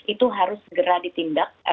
itu harus segera ditindak